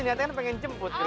niatin pengen jemput ke rumah